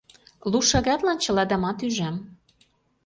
Лу шагатлан чыладамат ӱжам.